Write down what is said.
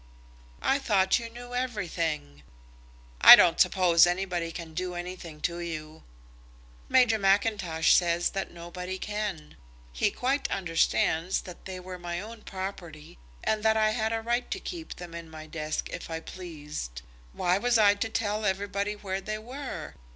"I thought you knew everything." "I don't suppose anybody can do anything to you." "Major Mackintosh says that nobody can. He quite understands that they were my own property, and that I had a right to keep them in my desk if I pleased. Why was I to tell everybody where they were?